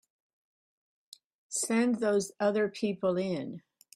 Send those other people in.